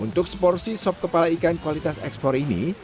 untuk seporsi sop kepala ikan kualitas ekspor ini